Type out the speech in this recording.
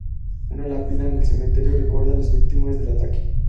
Una lápida en el cementerio recuerda a las víctimas del ataque.